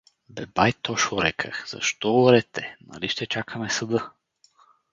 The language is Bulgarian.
Бе, бай Тошо, рекъх, защо орете, нали ще чакаме съда?